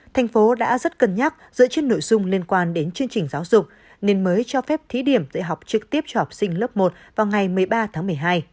thành phố đã rất cân nhắc dựa trên nội dung liên quan đến chương trình giáo dục nên mới cho phép thí điểm dạy học trực tiếp cho học sinh lớp một vào ngày một mươi ba tháng một mươi hai